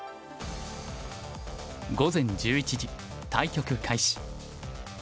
午前１１時対局開始。